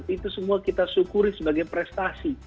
itu semua kita syukuri sebagai prestasi